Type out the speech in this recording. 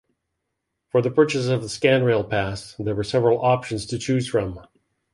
For the purchase of the Scanrail-Pass, there were several options to choose from.